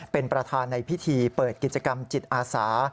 เป็นประธานในพิธีเปิดกิจกรรมจิตอาสา